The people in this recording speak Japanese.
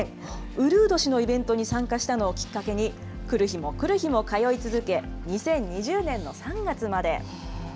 うるう年のイベントに参加したのをきっかけに、来る日も来る日も通い続け、２０２０年の３月まで。